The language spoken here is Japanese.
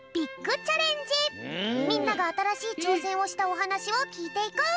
みんながあたらしいちょうせんをしたおはなしをきいていこう。